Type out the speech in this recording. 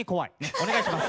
お願いします。